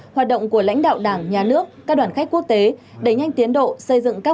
hoạt động của lãnh đạo đảng nhà nước các đoàn khách quốc tế đẩy nhanh tiến độ xây dựng các